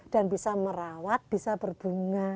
dan bisa merawat bisa berbunga